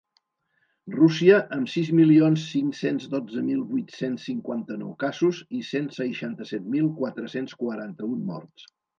Rússia, amb sis milions cinc-cents dotze mil vuit-cents cinquanta-nou casos i cent seixanta-set mil quatre-cents quaranta-un morts.